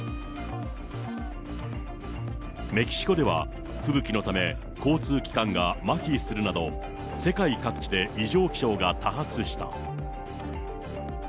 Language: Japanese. メキシコでは、吹雪のため交通機関がまひするなど、世界各地で異常気象が多発した。